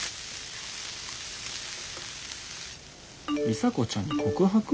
「里紗子ちゃんに告白？」。